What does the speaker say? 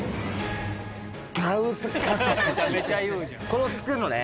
これを作るのね。